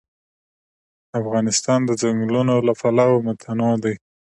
افغانستان د ځنګلونه له پلوه متنوع دی.